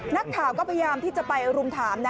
นักข่าวก็พยายามที่จะไปรุมถามนะ